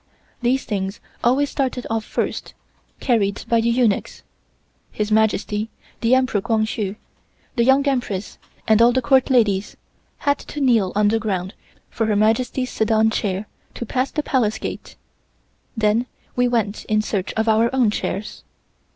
These things always started off first, carried by the eunuchs. His Majesty, the Emperor Kwang Hsu, the Young Empress and all the Court ladies, had to kneel on the ground for Her Majesty's sedan chair to pass the Palace Gate, then we went in search of our own chairs.